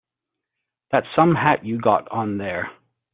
That's some hat you got on there.